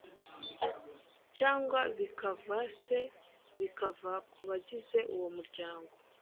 cg bikava se bikava kubagize uwo muryango